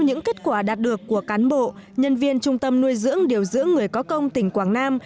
những kết quả đạt được của cán bộ nhân viên trung tâm nuôi dưỡng điều dưỡng người có công tỉnh quảng nam